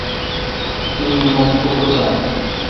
تی می مکھ اکسال۔